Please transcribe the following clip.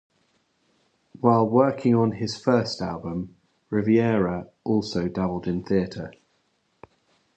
While working on his first album, Rivera also dabbled into theater.